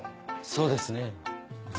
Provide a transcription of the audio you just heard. そうですね。